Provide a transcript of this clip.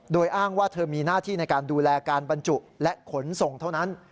โดยอ้างว่าเธอมีหน้าที่ในการดูแลการบรรจุและขนส่งเท่านั้น